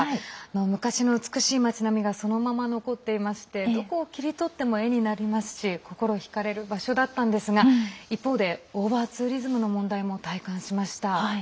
昔の美しい、まち並みがそのまま残っていましてどこを切り取っても絵になりますし心引かれる場所だったのですが一方でオーバーツーリズムの問題も体感しました。